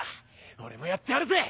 俺もやってやるぜ！